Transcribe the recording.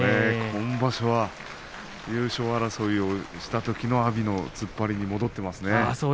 今場所は優勝争いをしたときの阿炎の突っ張りに戻ってますね。